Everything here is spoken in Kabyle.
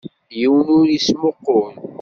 Yiwen ur yesmuqul.